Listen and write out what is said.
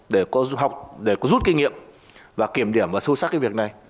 để có học để có rút kinh nghiệm và kiểm điểm và sâu sắc cái việc này